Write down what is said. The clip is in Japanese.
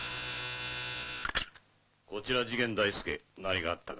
こちら次元大介何かあったか？